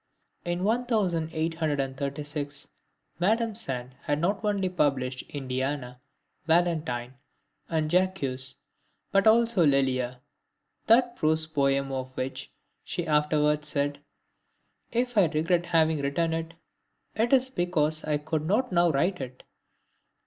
In 1836 Madame Sand had not only published INDIANA, VALENTINE, and JACQUES, but also LELIA, that prose poem of which she afterwards said: "If I regret having written it, it is because I could not now write it.